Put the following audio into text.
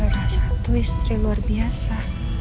ada satu istri luar biasa